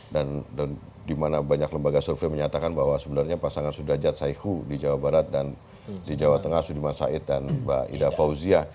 dan dimana banyak lembaga survei menyatakan bahwa sebenarnya pasangan sudhajat saiku di jawa barat dan di jawa tengah sudiman said dan mbak ida fauzia